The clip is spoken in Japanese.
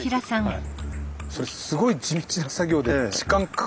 はい。